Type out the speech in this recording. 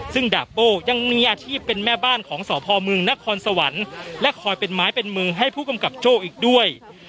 ซึ่งดาบโบ้ยังมีอาชีพเป็นแม่บ้านของสพมนครสวรรค์และคอยเป็นไม้เป็นมือให้ผู้กำกับโจ้อีกด้วย